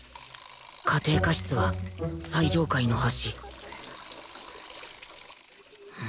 家庭科室は最上階の端